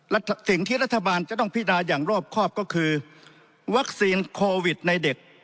และสิ่งที่รัฐบาลจะต้องพินาอย่างรอบครอบก็คือวัคซีนโควิดในเด็ก